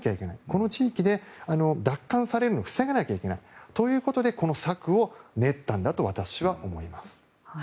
この地域で、奪還されるのを防がなきゃいけない。ということで、この策を練ったんだと私は思います。